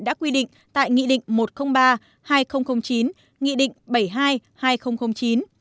đã quy định tại nghị định một trăm linh ba hai nghìn chín nghị định bảy mươi hai hai nghìn chín